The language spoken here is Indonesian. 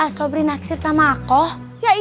yalah tut siapa yang gak naksir sama kamu kamu cantik begitu